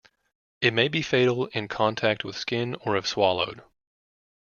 It may be fatal in contact with skin or if swallowed.